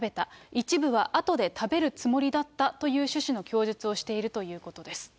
一部はあとで食べるつもりだったという趣旨の供述をしているということです。